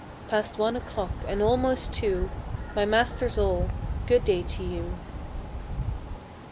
Past one a clock, and almost two, My masters all, 'Good day to you.' 33.